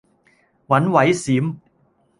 揾位閃